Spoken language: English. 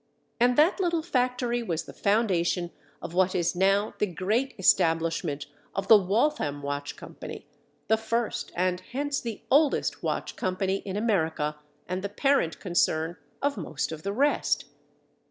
And that little factory was the foundation of what is now the great establishment of the Waltham Watch Company, the first and hence the oldest watch company in America, and the parent concern of most of the rest.